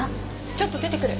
ちょっと出てくる。